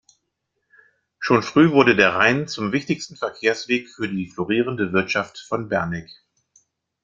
Schon früh wurde der Rhein zum wichtigsten Verkehrsweg für die florierende Wirtschaft von Berneck.